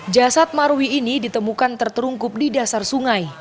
jasad marwi ini ditemukan terterungkup di dasar sungai